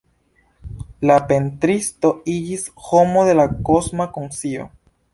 La pentristo iĝis “homo de la kosma konscio.